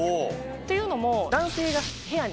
っていうのも。